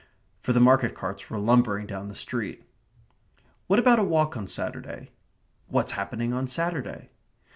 for the market carts were lumbering down the street. "What about a walk on Saturday?" ("What's happening on Saturday?")